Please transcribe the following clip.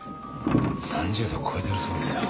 ３０度超えてるそうですよ。